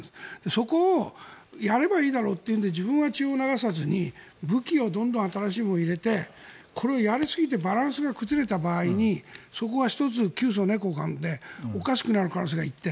そこをやればいいだろって自分は血を流さずに武器をどんどん新しいものを入れてこれをやりすぎてバランスが崩れた場合そこが１つ窮鼠猫を噛むでおかしくなる可能性が１点。